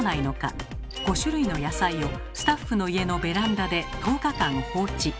５種類の野菜をスタッフの家のベランダで１０日間放置。